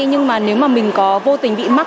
nhưng mà nếu mà mình có vô tình bị mắc